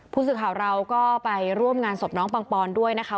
ผู้สื่อข่าวเราก็ไปร่วมงานศพน้องปังปอนด้วยนะคะ